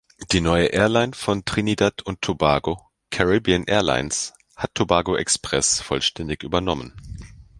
Die neue Airline von Trinidad und Tobago, Caribbean Airlines, hat Tobago Express vollständig übernommen.